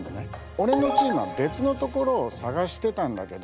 俺のチームは別の所を捜してたんだけども。